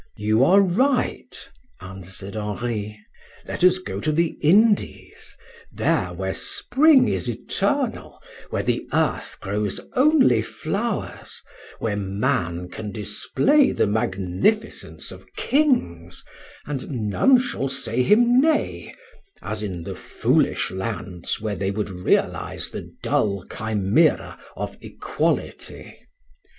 "You are right," answered Henri. "Let us go to the Indies, there where spring is eternal, where the earth grows only flowers, where man can display the magnificence of kings and none shall say him nay, as in the foolish lands where they would realize the dull chimera of equality.